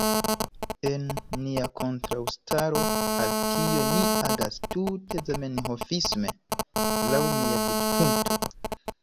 En nia kontraŭstaro al tio ni agas tute zamenhofisme, laŭ mia vidpunkto.